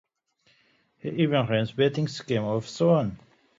He even runs a betting scam of his own.